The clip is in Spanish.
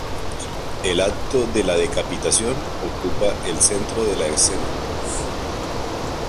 El acto de la decapitación ocupa el centro de la escena.